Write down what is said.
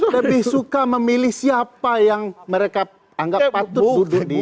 lebih suka memilih siapa yang mereka anggap patut duduk di